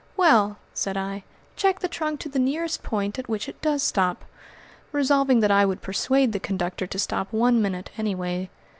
"Well," said I, "check the trunk to the nearest point at which it does stop," resolving that I would persuade the conductor to stop one minute, anyway.